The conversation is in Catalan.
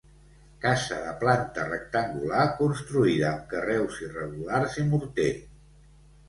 Casa de planta rectangular construïda amb carreus irregulars i morter.